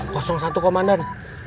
kosong satu komandan